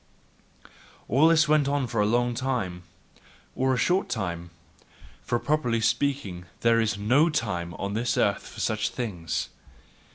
All this went on for a long time, or a short time: for properly speaking, there is NO time on earth for such things